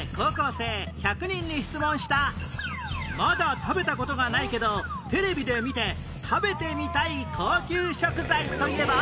まだ食べた事がないけどテレビで見て食べてみたい高級食材といえば？